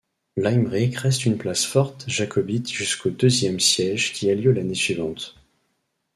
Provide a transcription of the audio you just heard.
Limerick reste une place-forte jacobite jusqu'au deuxième siège qui a lieu l'année suivante.